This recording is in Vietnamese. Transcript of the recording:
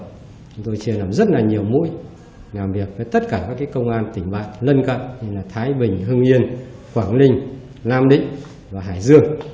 chúng tôi chia làm rất là nhiều mũi làm việc với tất cả các công an tỉnh bạn lân cận như là thái bình hưng yên quảng ninh nam định và hải dương